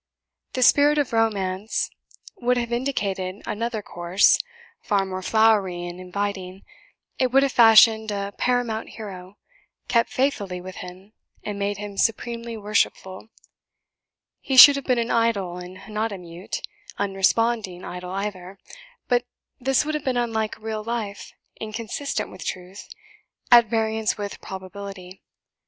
The spirit of romance would have indicated another course, far more flowery and inviting; it would have fashioned a paramount hero, kept faithfully with him, and made him supremely worshipful; he should have been an idol, and not a mute, unresponding idol either; but this would have been unlike real LIFE inconsistent with truth at variance with probability.